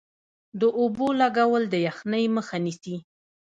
د اوبو لګول د یخنۍ مخه نیسي؟